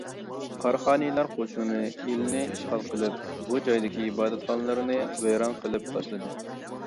قاراخانىيلار قوشۇنى ئىلىنى ئىشغال قىلىپ، بۇ جايدىكى ئىبادەتخانىلىرىنى ۋەيران قىلىپ تاشلىدى.